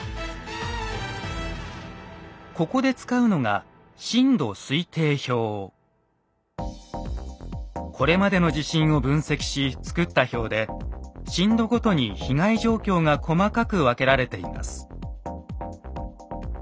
ここで使うのがこれまでの地震を分析し作った表で震度ごとに被害状況が細かく分けられています。